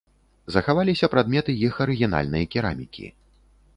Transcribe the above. Захаваліся прадметы іх арыгінальнай керамікі.